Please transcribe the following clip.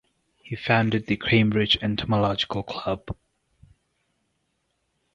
He founded the Cambridge Entomological Club.